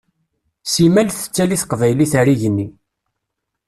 Simmal tettali teqbaylit ar igenni.